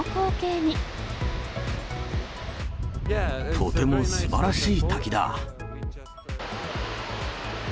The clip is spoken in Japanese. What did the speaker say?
とてもすばらしい滝だ。